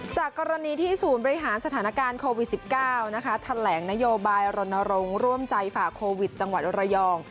จากกรณีที่ศูนย์บริหารสถานการณ์โควิด๑๙แถลงนโยบายรณรงค์ร่วมใจฝ่าโควิดจังหวัดระยอง